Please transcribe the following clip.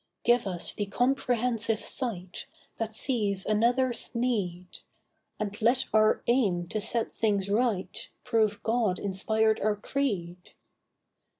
Give us the comprehensive sight That sees another's need; And let our aim to set things right Prove God inspired our creed.